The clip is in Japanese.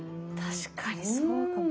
確かにそうかも。